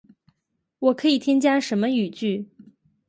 我可以添加什么语句？